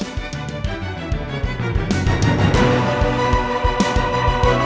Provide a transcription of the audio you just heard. dan setelah kamu jawab